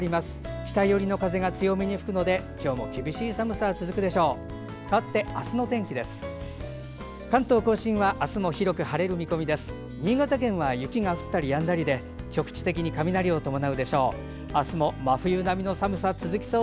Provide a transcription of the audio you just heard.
北寄りの風が強めに吹くので今日も厳しい寒さが続くでしょう。